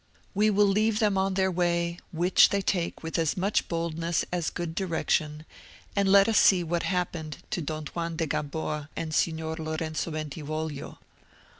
We will leave them on their way, which they take with as much boldness as good direction, and let us see what happened to Don Juan de Gamboa and Signor Lorenzo Bentivoglio.